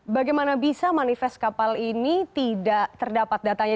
bagaimana bisa manifest kapal ini tidak terdapat datanya